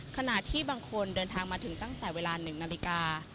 ขณะที่บางคนเดินทางมาถึงตั้งแต่เวลา๑นาฬิกา